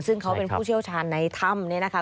ซึ่งเขาเป็นผู้เชี่ยวชาญในถ้ำเนี่ยนะคะ